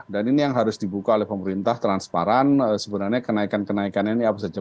dan ini yang harus dibuka oleh pemerintah transparan sebenarnya kenaikan kenaikan ini apa saja